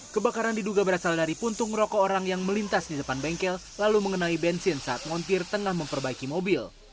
kebakaran diduga berasal dari puntung rokok orang yang melintas di depan bengkel lalu mengenai bensin saat montir tengah memperbaiki mobil